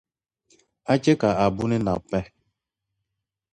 a chɛ ka a buni nabi pahi.